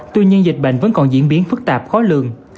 tuy nhiên dịch bệnh vẫn còn diễn biến phức tạp khó lường